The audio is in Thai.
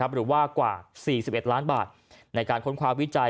หรือว่ากว่า๔๑ล้านบาทในการค้นความวิจัย